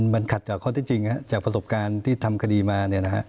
มันขัดจากข้อที่จริงจากประสบการณ์ที่ทำคดีมา